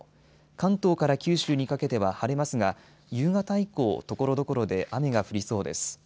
関東から九州にかけては晴れますが夕方以降、ところどころで雨が降りそうです。